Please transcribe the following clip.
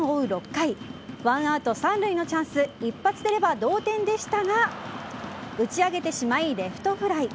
６回１アウト三塁のチャンス一発出れば同点でしたが打ち上げてしまい、レフトフライ。